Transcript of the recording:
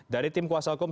dari tim kuasa hukum